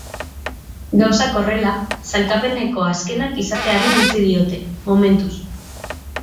Gauzak horrela, sailkapeneko azkenak izateari utzi diote, momentuz.